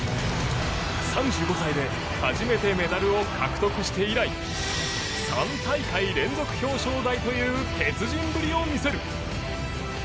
３５歳で初めてメダルを獲得して以来３大会連続表彰台という鉄人ぶりを見せる。